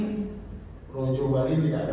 dan al kehajian bapak dhanian radom